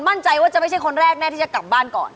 มั่นใจว่าจะไม่ใช่คนแรกแน่ที่จะกลับบ้านก่อน